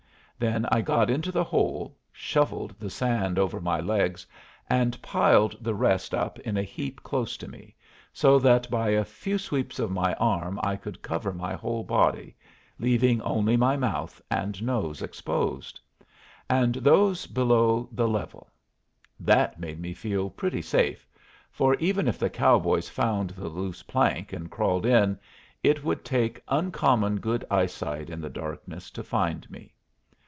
Then I got into the hole, shovelled the sand over my legs, and piled the rest up in a heap close to me, so that by a few sweeps of my arm I could cover my whole body, leaving only my mouth and nose exposed, and those below the level. That made me feel pretty safe, for, even if the cowboys found the loose plank and crawled in, it would take uncommon good eyesight, in the darkness, to find me.